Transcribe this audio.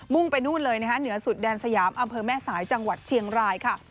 ่งไปนู่นเลยนะคะเหนือสุดแดนสยามอำเภอแม่สายจังหวัดเชียงรายค่ะ